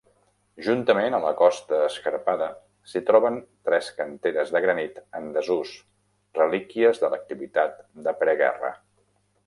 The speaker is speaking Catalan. Juntament a la costa escarpada s'hi troben tres canteres de granit en desús, relíquies de l'activitat de pre-guerra.